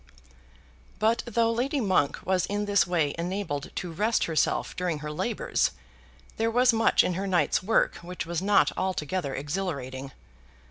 But though Lady Monk was in this way enabled to rest herself during her labours, there was much in her night's work which was not altogether exhilarating.